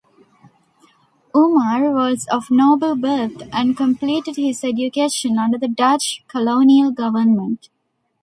Umar was of noble birth and completed his education under the Dutch Colonial Government.